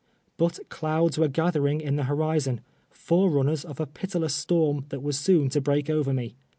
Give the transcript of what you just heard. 13ut clouds were gutlierinLj iu the hori zon — forerunners of a pitiless storm tluit was soon to break over me.